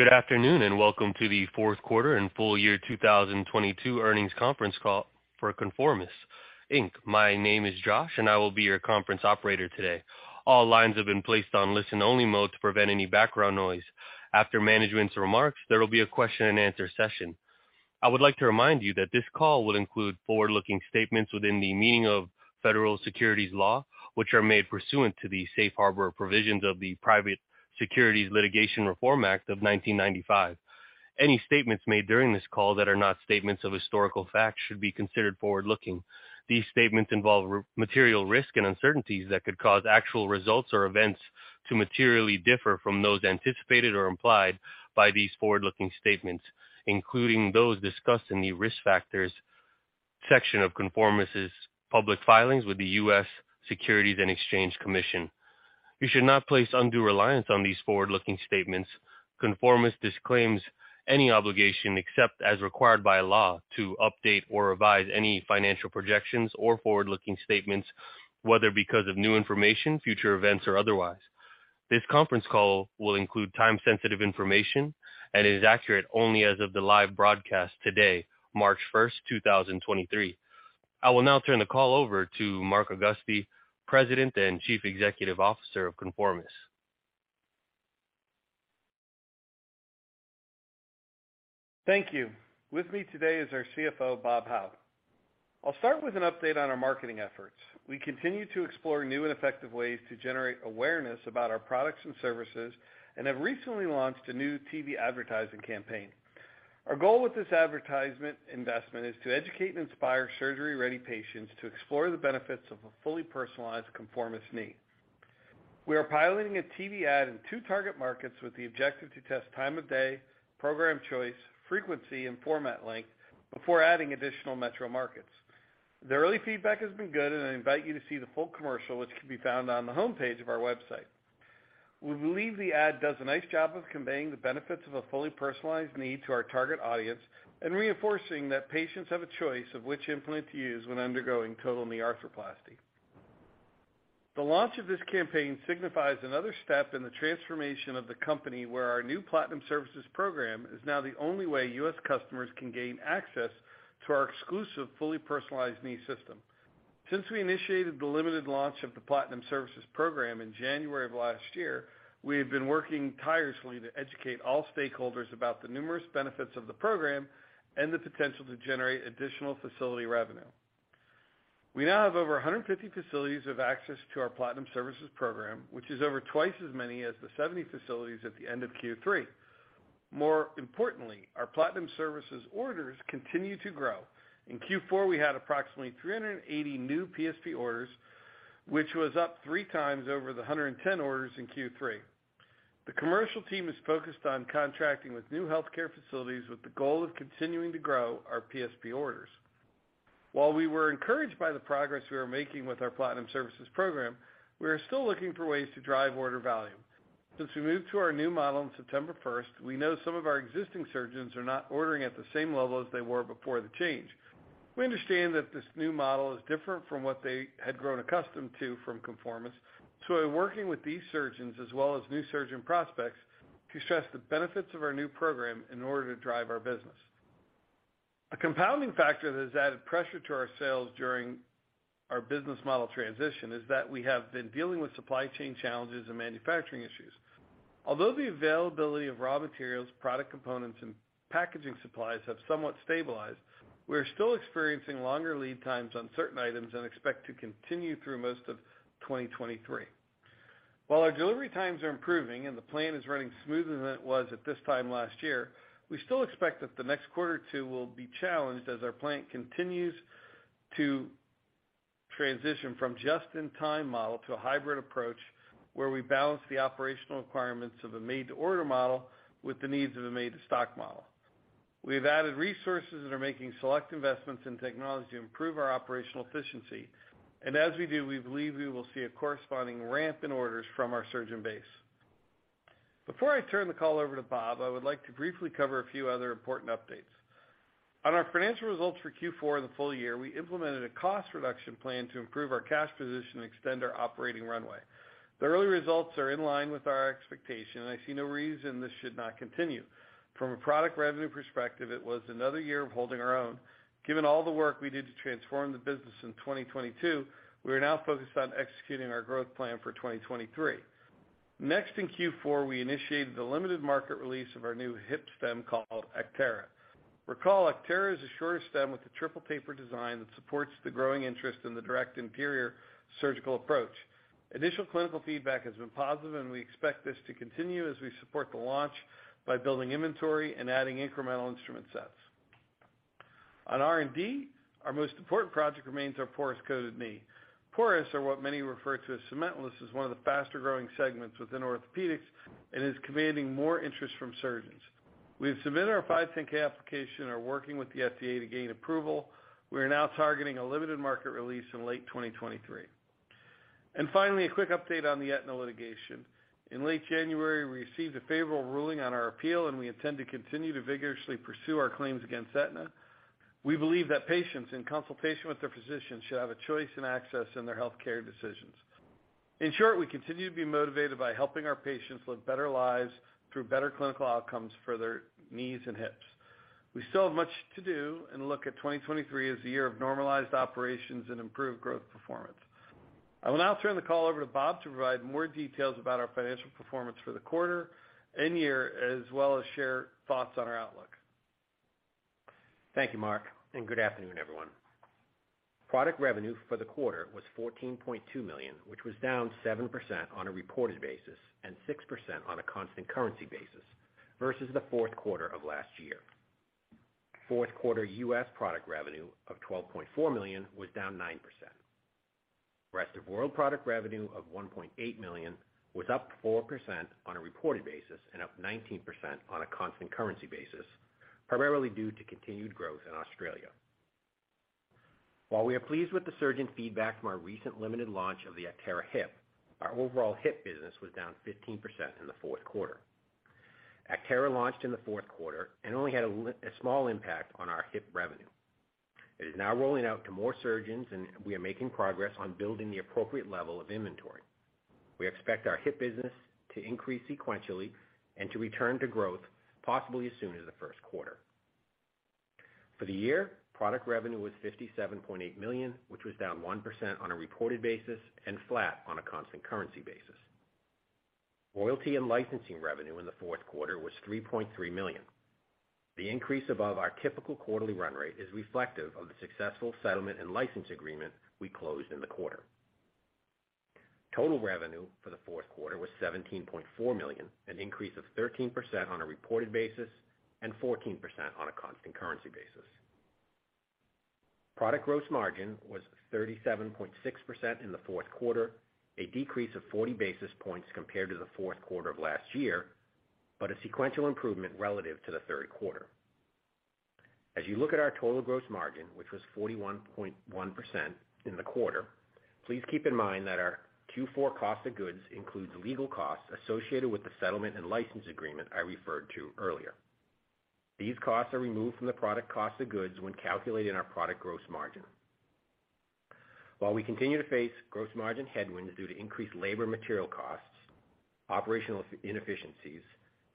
Good afternoon. Welcome to the fourth quarter and full year 2022 earnings conference call for ConforMIS, Inc. My name is Josh. I will be your conference operator today. All lines have been placed on listen-only mode to prevent any background noise. After management's remarks, there will be a question-and-answer session. I would like to remind you that this call will include forward-looking statements within the meaning of Federal Securities Law, which are made pursuant to the safe harbor provisions of the Private Securities Litigation Reform Act of 1995. Any statements made during this call that are not statements of historical fact should be considered forward-looking. These statements involve material risk and uncertainties that could cause actual results or events to materially differ from those anticipated or implied by these forward-looking statements, including those discussed in the Risk Factors section of ConforMIS' public filings with the US Securities and Exchange Commission. You should not place undue reliance on these forward-looking statements. ConforMIS disclaims any obligation, except as required by law, to update or revise any financial projections or forward-looking statements, whether because of new information, future events, or otherwise. This conference call will include time-sensitive information and is accurate only as of the live broadcast today, March 1st, 2023. I will now turn the call over to Mark Augusti, President and Chief Executive Officer of ConforMIS. Thank you. With me today is our CFO, Bob Howe. I'll start with an update on our marketing efforts. We continue to explore new and effective ways to generate awareness about our products and services and have recently launched a new TV advertising campaign. Our goal with this advertisement investment is to educate and inspire surgery ready patients to explore the benefits of a fully personalized ConforMIS knee. We are piloting a TV ad in two target markets with the objective to test time of day, program choice, frequency, and format length before adding additional metro markets. The early feedback has been good, and I invite you to see the full commercial, which can be found on the homepage of our website. We believe the ad does a nice job of conveying the benefits of a fully personalized knee to our target audience and reinforcing that patients have a choice of which implant to use when undergoing total knee arthroplasty. The launch of this campaign signifies another step in the transformation of the company where our new Platinum Services program is now the only way U.S. customers can gain access to our exclusive, fully personalized knee system. Since we initiated the limited launch of the Platinum Services program in January of last year, we have been working tirelessly to educate all stakeholders about the numerous benefits of the program and the potential to generate additional facility revenue. We now have over 150 facilities with access to our Platinum Services program, which is over twice as many as the 70 facilities at the end of Q3. More importantly, our Platinum Services orders continue to grow. In Q4, we had approximately 380 new PSP orders, which was up 3x over the 110 orders in Q3. The commercial team is focused on contracting with new healthcare facilities with the goal of continuing to grow our PSP orders. While we were encouraged by the progress we were making with our Platinum Services program, we are still looking for ways to drive order volume. Since we moved to our new model on September first, we know some of our existing surgeons are not ordering at the same level as they were before the change. We understand that this new model is different from what they had grown accustomed to from ConforMIS, so we're working with these surgeons as well as new surgeon prospects to stress the benefits of our new program in order to drive our business. A compounding factor that has added pressure to our sales during our business model transition is that we have been dealing with supply chain challenges and manufacturing issues. The availability of raw materials, product components, and packaging supplies have somewhat stabilized, we are still experiencing longer lead times on certain items and expect to continue through most of 2023. While our delivery times are improving and the plan is running smoother than it was at this time last year, we still expect that the next quarter two will be challenged as our plant continues to transition from just-in-time model to a hybrid approach where we balance the operational requirements of a made-to-order model with the needs of a made-to-stock model. We've added resources that are making select investments in technology to improve our operational efficiency. As we do, we believe we will see a corresponding ramp in orders from our surgeon base. Before I turn the call over to Bob, I would like to briefly cover a few other important updates. On our financial results for Q4 and the full year, we implemented a cost reduction plan to improve our cash position and extend our operating runway. The early results are in line with our expectation, and I see no reason this should not continue. From a product revenue perspective, it was another year of holding our own. Given all the work we did to transform the business in 2022, we are now focused on executing our growth plan for 2023. In Q4, we initiated the limited market release of our new hip stem called Actera. Recall, Actera is a shorter stem with a triple taper design that supports the growing interest in the direct anterior surgical approach. Initial clinical feedback has been positive, and we expect this to continue as we support the launch by building inventory and adding incremental instrument sets. On R&D, our most important project remains our porous coated knee. Porous are what many refer to as cementless, is one of the faster-growing segments within orthopedics and is commanding more interest from surgeons. We have submitted our 510(k) application and are working with the FDA to gain approval. We are now targeting a limited market release in late 2023. Finally, a quick update on the Aetna litigation. In late January, we received a favorable ruling on our appeal, and we intend to continue to vigorously pursue our claims against Aetna. We believe that patients, in consultation with their physicians, should have a choice and access in their healthcare decisions. In short, we continue to be motivated by helping our patients live better lives through better clinical outcomes for their knees and hips. We still have much to do and look at 2023 as a year of normalized operations and improved growth performance. I will now turn the call over to Bob Howe to provide more details about our financial performance for the quarter and year, as well as share thoughts on our outlook. Thank you, Mark. Good afternoon, everyone. Product revenue for the quarter was $14.2 million, which was down 7% on a reported basis and 6% on a constant currency basis versus the fourth quarter of last year. Fourth quarter US product revenue of $12.4 million was down 9%. Rest of world product revenue of $1.8 million was up 4% on a reported basis and up 19% on a constant currency basis, primarily due to continued growth in Australia. While we are pleased with the surgeon feedback from our recent limited launch of the Actera hip, our overall hip business was down 15% in the fourth quarter. Actera launched in the fourth quarter and only had a small impact on our hip revenue. It is now rolling out to more surgeons, and we are making progress on building the appropriate level of inventory. We expect our hip business to increase sequentially and to return to growth possibly as soon as the first quarter. For the year, product revenue was $57.8 million, which was down 1% on a reported basis and flat on a constant currency basis. Royalty and licensing revenue in the fourth quarter was $3.3 million. The increase above our typical quarterly run rate is reflective of the successful settlement and license agreement we closed in the quarter. Total revenue for the fourth quarter was $17.4 million, an increase of 13% on a reported basis and 14% on a constant currency basis. Product gross margin was 37.6% in the fourth quarter, a decrease of 40 basis points compared to the fourth quarter of last year, a sequential improvement relative to the third quarter. As you look at our total gross margin, which was 41.1% in the quarter, please keep in mind that our Q4 cost of goods includes legal costs associated with the settlement and license agreement I referred to earlier. These costs are removed from the product cost of goods when calculating our product gross margin. While we continue to face gross margin headwinds due to increased labor material costs, operational inefficiencies,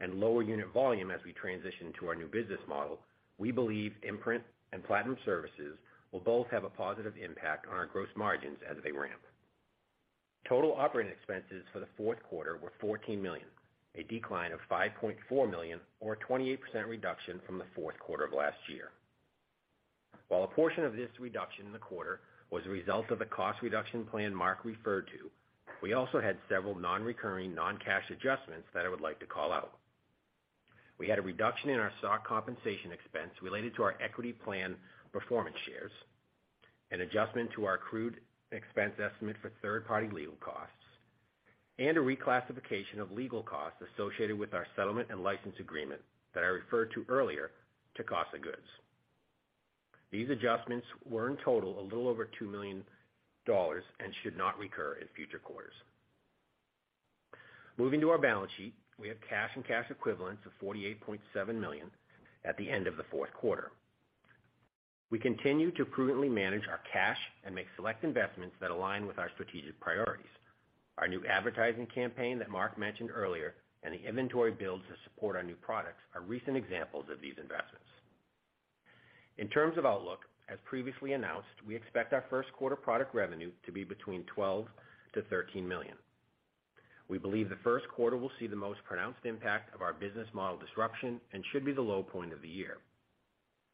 and lower unit volume as we transition to our new business model, we believe Imprint and Platinum Services will both have a positive impact on our gross margins as they ramp. Total operating expenses for the fourth quarter were $14 million, a decline of $5.4 million or a 28% reduction from the fourth quarter of last year. While a portion of this reduction in the quarter was a result of the cost reduction plan Mark referred to, we also had several non-recurring, non-cash adjustments that I would like to call out. We had a reduction in our stock compensation expense related to our equity plan performance shares, an adjustment to our accrued expense estimate for third-party legal costs, and a reclassification of legal costs associated with our settlement and license agreement that I referred to earlier to cost of goods. These adjustments were in total a little over $2 million and should not recur in future quarters. Moving to our balance sheet, we have cash and cash equivalents of $48.7 million at the end of the fourth quarter. We continue to prudently manage our cash and make select investments that align with our strategic priorities. Our new advertising campaign that Mark mentioned earlier and the inventory builds to support our new products are recent examples of these investments. In terms of outlook, as previously announced, we expect our first quarter product revenue to be between $12 million-$13 million. We believe the first quarter will see the most pronounced impact of our business model disruption and should be the low point of the year.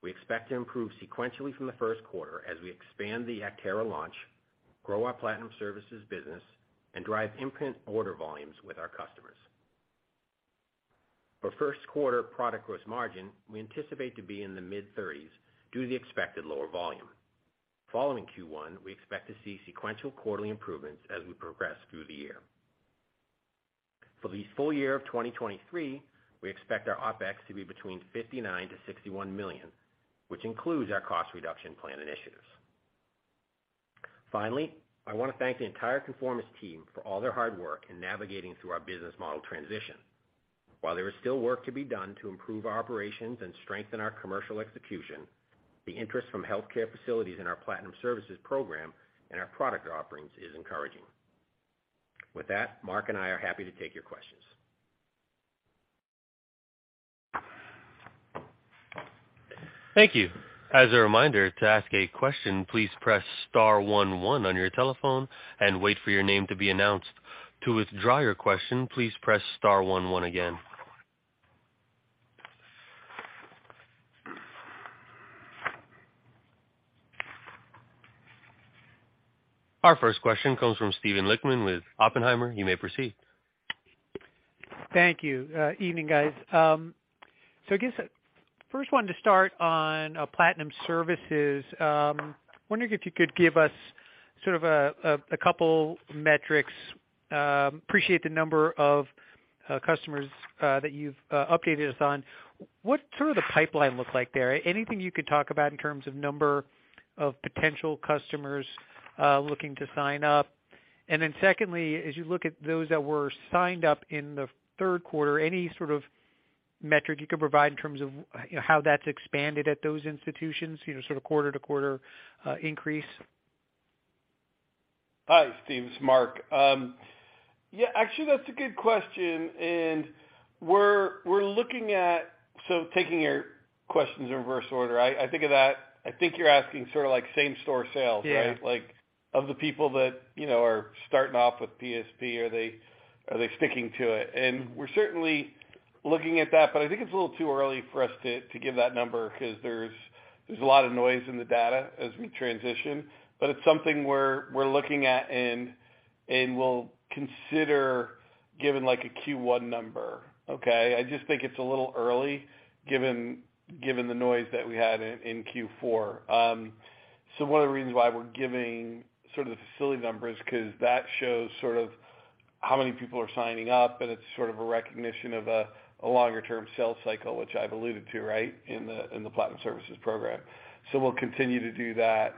We expect to improve sequentially from the first quarter as we expand the Actera launch, grow our Platinum Services business, and drive Imprint order volumes with our customers. For first quarter product gross margin, we anticipate to be in the mid-30s due to the expected lower volume. Following Q1, we expect to see sequential quarterly improvements as we progress through the year. For the full year of 2023, we expect our OpEx to be between $59 million-$61 million, which includes our cost reduction plan initiatives. Finally, I wanna thank the entire ConforMIS team for all their hard work in navigating through our business model transition. While there is still work to be done to improve our operations and strengthen our commercial execution, the interest from healthcare facilities in our Platinum Services program and our product offerings is encouraging. With that, Mark and I are happy to take your questions. Thank you. As a reminder to ask a question, please press star one one on your telephone and wait for your name to be announced. To withdraw your question, please press star one one again. Our first question comes from Steven Lichtman with Oppenheimer. You may proceed. Thank you, evening, guys. I guess first one to start on Platinum Services. Wondering if you could give us a couple metrics. Appreciate the number of customers that you've updated us on. What the pipeline looks like there? Anything you could talk about in terms of number of potential customers looking to sign up? And then secondly, as you look at those that were signed up in the third quarter, any sort of metric you can provide in terms of how that's expanded at those institutions, sort of quarter-over-quarter increase. Hi, Steven, it's Mark. Yeah, actually that's a good question. Taking your questions in reverse order, I think of that, I think you're asking sort of like same store sales, right? Yeah. Like, of the people that you know are starting off with PSP, are they sticking to it? We're certainly looking at that, but I think it's a little too early for us to give that number 'cause there's a lot of noise in the data as we transition. It's something we're looking at and we'll consider giving like a Q1 number. Okay? I just think it's a little early given the noise that we had in Q4. One of the reasons why we're giving sort of the facility numbers, 'cause that shows sort of how many people are signing up, and it's sort of a recognition of a longer term sales cycle, which I've alluded to, right? In the Platinum Services Program. We'll continue to do that.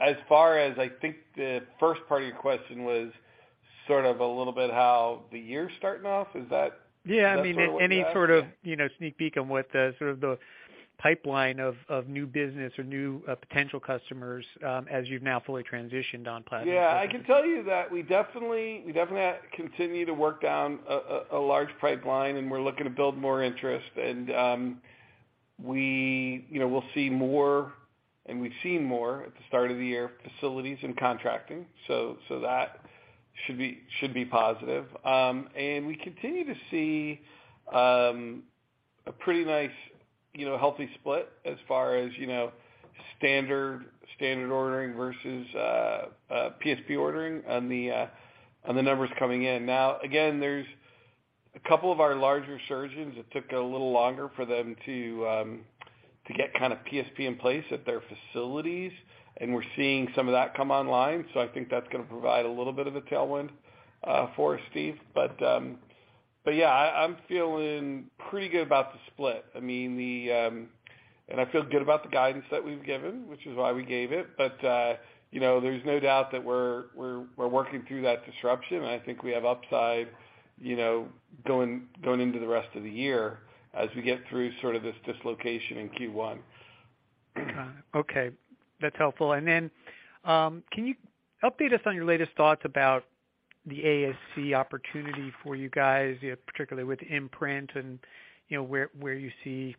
As far as I think the first part of your question was sort of a little bit how the year's starting off, is that? Yeah. Is that sort of what you're asking? Any sort of, you know, sneak peek on what the, sort of the pipeline of new business or new, potential customers, as you've now fully transitioned on Platinum Services? Yeah. I can tell you that we definitely continue to work down a large pipeline and we're looking to build more interest. We, you know, we'll see more and we've seen more at the start of the year, facilities and contracting, so that should be positive. We continue to see a pretty nice, you know, healthy split as far as, you know, standard ordering versus PSP ordering on the numbers coming in. Again, there's a couple of our larger surgeons, it took a little longer for them to get kind of PSP in place at their facilities, and we're seeing some of that come online. I think that's gonna provide a little bit of a tailwind for us, Steve. Yeah, I'm feeling pretty good about the split. I mean, I feel good about the guidance that we've given, which is why we gave it. You know, there's no doubt that we're working through that disruption, and I think we have upside, you know, going into the rest of the year as we get through sort of this dislocation in Q1. Got it. Okay. That's helpful. And then, can you update us on your latest thoughts about the ASC opportunity for you guys, you know, particularly with Imprint and, you know, where you see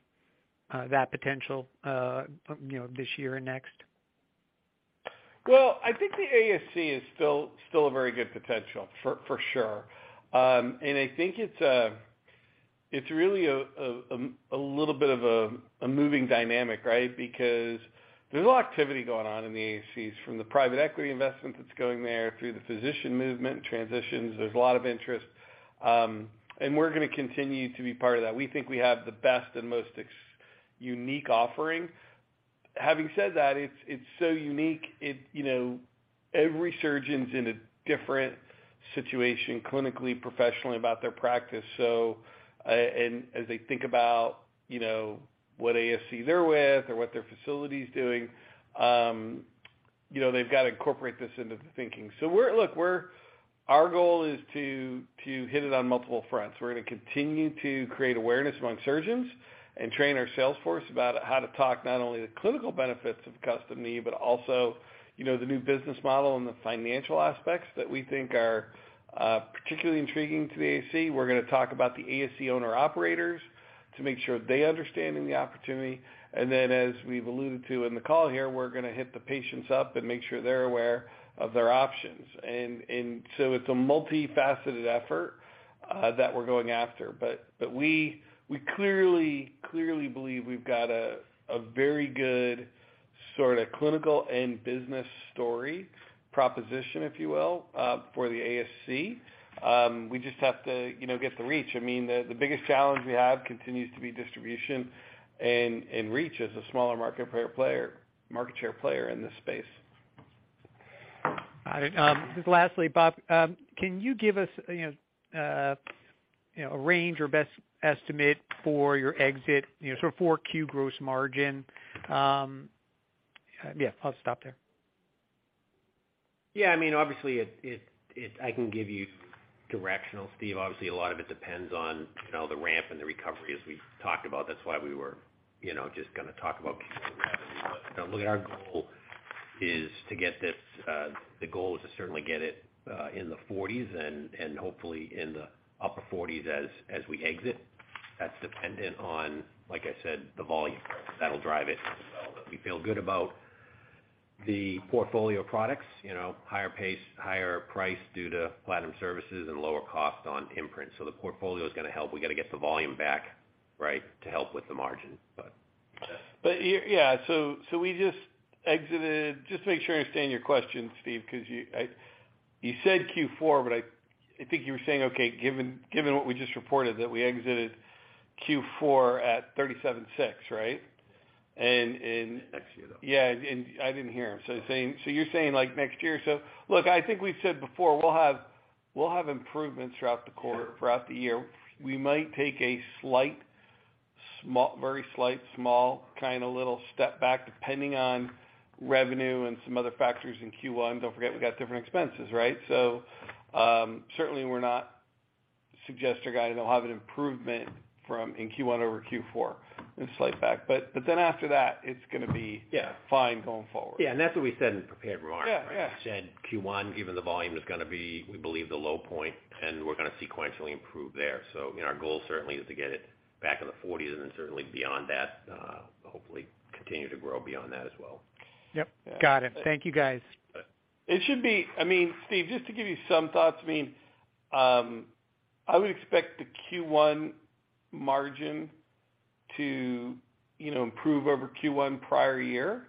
that potential, you know, this year and next? Well, I think the ASC is still a very good potential for sure. I think it's really a little bit of a moving dynamic, right? Because there's a lot of activity going on in the ASCs from the private equity investment that's going there through the physician movement transitions. There's a lot of interest. We're gonna continue to be part of that. We think we have the best and most unique offering. Having said that, it's so unique it... You know, every surgeon's in a different situation clinically, professionally about their practice. As they think about, you know, what ASC they're with or what their facility's doing, you know, they've got to incorporate this into the thinking. Look, our goal is to hit it on multiple fronts. We're gonna continue to create awareness among surgeons and train our sales force about how to talk not only the clinical benefits of Custom Knee, but also, you know, the new business model and the financial aspects that we think are particularly intriguing to the ASC. We're gonna talk about the ASC owner-operators to make sure they understanding the opportunity. As we've alluded to in the call here, we're gonna hit the patients up and make sure they're aware of their options. So it's a multifaceted effort that we're going after. But we clearly believe we've got a very good sort of clinical and business story proposition, if you will, for the ASC. We just have to, you know, get the reach. I mean, the biggest challenge we have continues to be distribution and reach as a smaller market player, market share player in this space. Just lastly, Bob, can you give us, you know, a range or best estimate for your exit, you know, so for Q-gross margin? Yeah, I'll stop there. Yeah. I mean, obviously it I can give you directional, Steve. Obviously a lot of it depends on, you know, the ramp and the recovery as we've talked about. That's why we were, you know, just gonna talk about revenue. Look, our goal is to get this. The goal is to certainly get it in the 40s and hopefully in the upper 40s as we exit. That's dependent on, like I said, the volume. That'll drive it. We feel good about the portfolio of products, you know, higher pace, higher price due to Platinum Services and lower cost on Imprint. The portfolio's gonna help. We got to get the volume back, right? To help with the margin. Yeah, so we just exited. Just to make sure I understand your question, Steve, 'cause you said Q4, but I think you were saying, okay, given what we just reported, that we exited Q4 at $37.6, right? Next year, though. Yeah. I didn't hear him. You're saying like next year? Look, I think we've said before we'll have improvements throughout the quarter, throughout the year. We might take a very slight, small, kind of little step back depending on revenue and some other factors in Q1. Don't forget we've got different expenses, right? Certainly we're not suggest to guide that we'll have an improvement from in Q1 over Q4. A slight back. Then after that, it's gonna be- Yeah. Fine going forward. Yeah. That's what we said in prepared remarks, right? Yeah. Yeah. Said Q1, even the volume is gonna be, we believe, the low point, and we're gonna sequentially improve there. You know, our goal certainly is to get it back in the 40s and then certainly beyond that, hopefully continue to grow beyond that as well. Yep. Got it. Thank you guys. It should be... I mean, Steve, just to give you some thoughts. I mean, I would expect the Q1 margin to, you know, improve over Q1 prior year.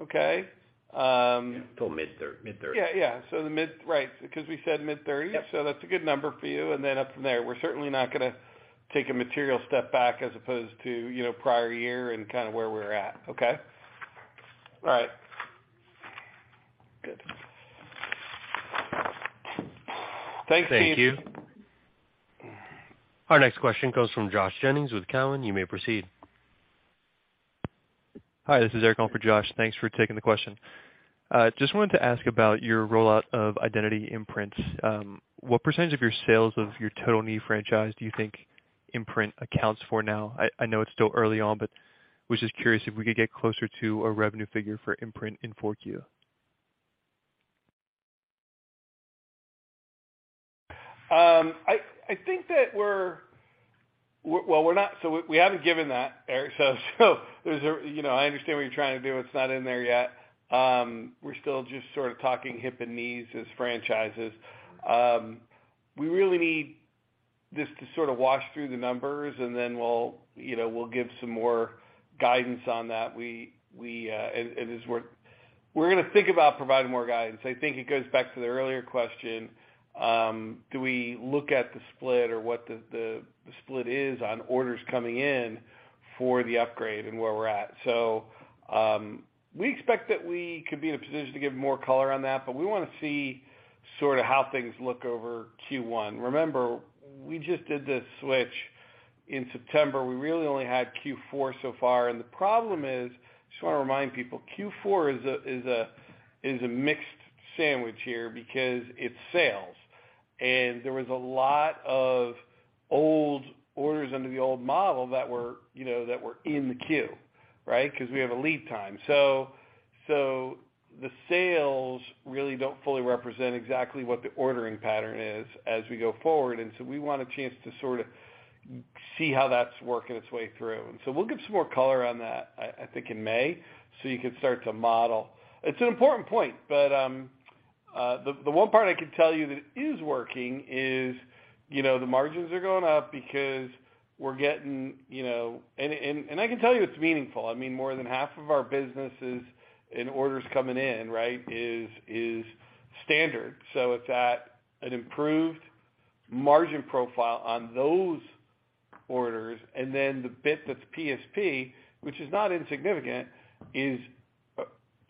Okay? Yeah. Till mid-30s. Yeah, yeah. right. We said mid-30s. Yep. That's a good number for you, and then up from there. We're certainly not gonna take a material step back as opposed to, you know, prior year and kinda where we're at. Okay? All right. Good. Thanks, Steve. Thank you. Our next question comes from Josh Jennings with Cowen. You may proceed. Hi, this is Eric calling for Josh. Thanks for taking the question. Just wanted to ask about your rollout of Identity Imprint. What % of your sales of your total knee franchise do you think Imprint accounts for now? I know it's still early on, but was just curious if we could get closer to a revenue figure for Imprint in 4Q. I think that we haven't given that, Eric, so there's a. You know, I understand what you're trying to do. It's not in there yet. We're still just sort of talking hip and knees as franchises. We really need this to sort of wash through the numbers, and then we'll, you know, we'll give some more guidance on that. We're gonna think about providing more guidance. I think it goes back to the earlier question, do we look at the split or what the split is on orders coming in for the upgrade and where we're at. We expect that we could be in a position to give more color on that, but we wanna see sorta how things look over Q1. Remember, we just did this switch in September. We really only had Q4 so far. The problem is, just wanna remind people, Q4 is a mixed sandwich here because it's sales, and there was a lot of old orders under the old model that were, you know, that were in the queue, right? 'Cause we have a lead time. So the sales really don't fully represent exactly what the ordering pattern is as we go forward. We want a chance to sorta see how that's working its way through. We'll give some more color on that, I think in May, so you can start to model. It's an important point, but the one part I can tell you that is working is, you know, the margins are going up because we're getting, you know... I can tell you it's meaningful. I mean, more than half of our business is in orders coming in, right? Is standard. It's at an improved margin profile on those orders. The bit that's PSP, which is not insignificant, is,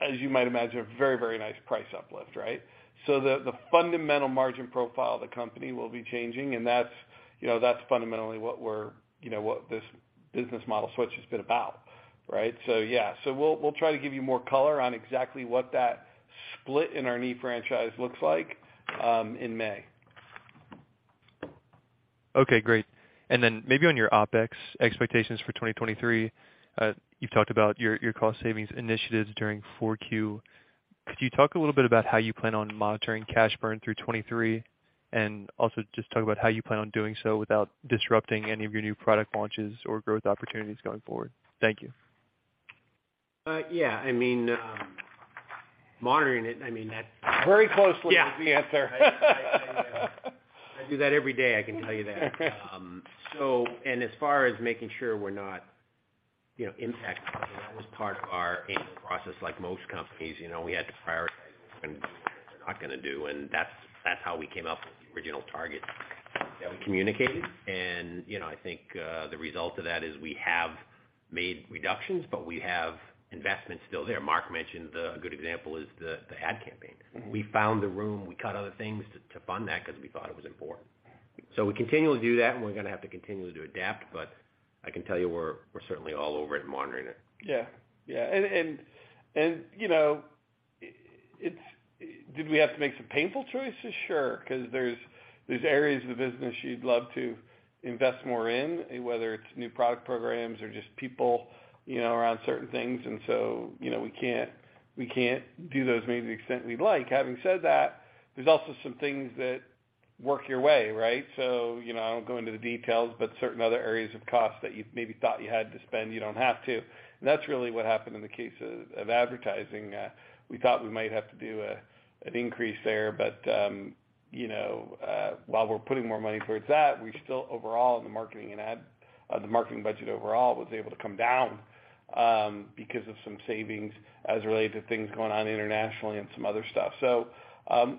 as you might imagine, a very nice price uplift, right? The, the fundamental margin profile of the company will be changing, and that's, you know, that's fundamentally what we're, you know, what this business model switch has been about, right? Yeah. We'll, we'll try to give you more color on exactly what that split in our knee franchise looks like in May. Okay. Great. Maybe on your OpEx expectations for 2023. You've talked about your cost savings initiatives during 4Q. Could you talk a little bit about how you plan on monitoring cash burn through 2023? Just talk about how you plan on doing so without disrupting any of your new product launches or growth opportunities going forward. Thank you. Yeah, I mean, monitoring it, I mean. Very closely is the answer. I do that every day, I can tell you that. As far as making sure we're not, you know, impact, that was part of our annual process like most companies. You know, we had to prioritize what we're gonna do and what we're not gonna do, and that's how we came up with the original target that we communicated. You know, I think the result of that is we have made reductions, but we have investments still there. Mark mentioned a good example is the ad campaign. Mm-hmm. We found the room, we cut other things to fund that because we thought it was important. We continually do that, and we're gonna have to continually to adapt, but I can tell you we're certainly all over it and monitoring it. Yeah. Yeah. you know, Did we have to make some painful choices? Sure, 'cause there's areas of the business you'd love to invest more in, whether it's new product programs or just people, you know, around certain things. you know, we can't do those maybe to the extent we'd like. Having said that, there's also some things that work your way, right? you know, I won't go into the details, but certain other areas of cost that you maybe thought you had to spend, you don't have to. That's really what happened in the case of advertising. We thought we might have to do an increase there. you know, while we're putting more money towards that, we still overall in the marketing budget overall was able to come down because of some savings as related to things going on internationally and some other stuff.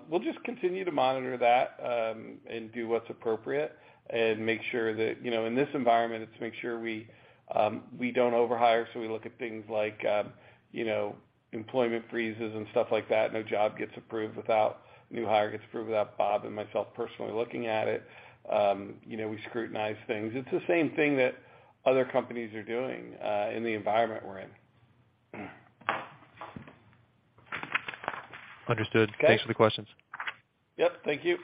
we'll just continue to monitor that and do what's appropriate and make sure that, you know, in this environment, it's to make sure we don't overhire, so we look at things like, you know, employment freezes and stuff like that new hire gets approved without Bob and myself personally looking at it. you know, we scrutinize things. It's the same thing that other companies are doing in the environment we're in. Understood. Okay. Thanks for the questions. Yep. Thank you.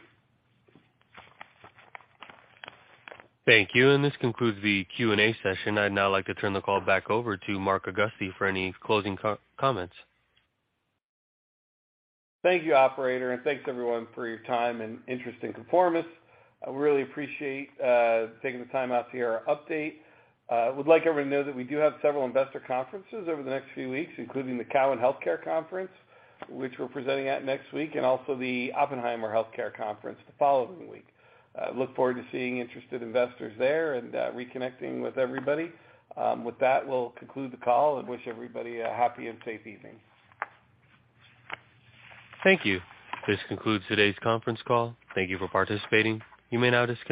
Thank you. This concludes the Q&A session. I'd now like to turn the call back over to Mark Augusti for any closing comments. Thank you, operator, and thanks everyone for your time and interest in ConforMIS. I really appreciate taking the time out to hear our update. Would like everyone to know that we do have several investor conferences over the next few weeks, including the Cowen Health Care Conference, which we're presenting at next week, and also the Oppenheimer Healthcare Conference the following week. Look forward to seeing interested investors there and reconnecting with everybody. With that, we'll conclude the call and wish everybody a happy and safe evening. Thank you. This concludes today's conference call. Thank you for participating. You may now disconnect.